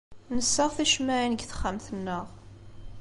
Nessaɣ ticemmaɛin deg texxamt-nneɣ.